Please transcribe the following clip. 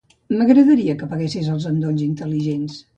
M'agradaria que apaguessis els endolls intel·ligents.